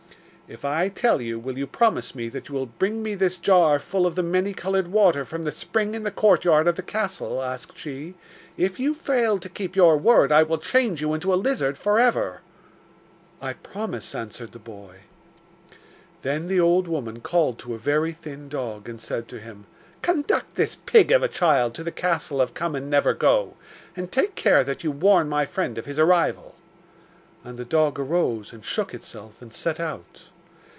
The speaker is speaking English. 'If I tell you, will you promise me that you will bring me this jar full of the many coloured water from the spring in the court yard of the castle?' asked she. 'If you fail to keep your word I will change you into a lizard for ever.' 'I promise,' answered the boy. Then the old woman called to a very thin dog, and said to him: 'Conduct this pig of a child to the castle of Come and never go, and take care that you warn my friend of his arrival.' And the dog arose and shook itself, and set out.